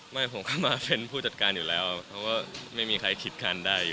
ไม่ผมก็มาเป็นผู้จัดการอยู่แล้วเพราะว่าไม่มีใครคิดการได้อยู่